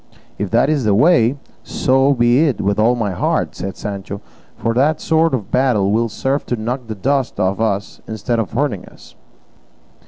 "If that's the way, so be it with all my heart," said Sancho, "for that sort of battle will serve to knock the dust out of us instead of hurting us."